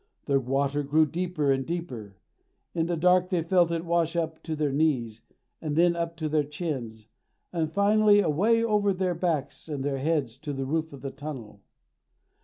The water grew deeper and deeper. In the dark they felt it wash up to their knees, and then up to their chins, and finally away over their backs and their heads to the roof of the tunnel.